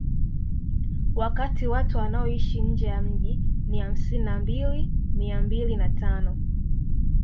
Wakati watu wanaoishi nje ya mji ni hamsini na mbili mia mbili na tano